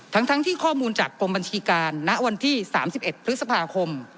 ทั้งที่ข้อมูลจากกรมบัญชีการณวันที่๓๑พฤษภาคม